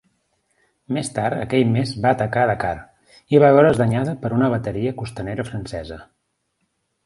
Més tard aquell mes va atacar Dakar, i va veure's danyada per una bateria costanera francesa.